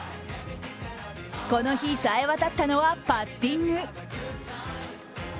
この日、さえわたったのはパッティング。